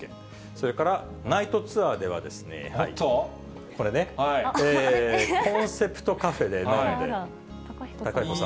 それからナイトツアーでは、これね、コンセプトカフェで飲んで、貴彦様。